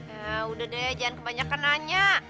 udah deh jangan kebanyakan nanya